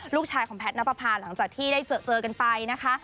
ลูกชายของแพทย์นับประพาหลังจากที่ได้เจอกันไปนะคะ